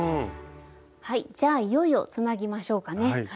はいじゃあいよいよつなぎましょうかね。